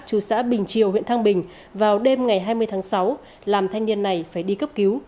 chú xã bình triều huyện thăng bình vào đêm ngày hai mươi tháng sáu làm thanh niên này phải đi cấp cứu